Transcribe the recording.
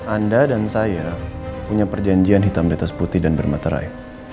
anda dan saya punya perjanjian hitam di atas putih dan bermaterai